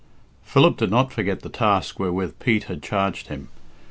II. Philip did not forget the task wherewith Pete had charged him.